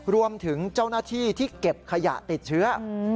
รวมถึงเจ้าหน้าที่ที่เก็บขยะติดเชื้อ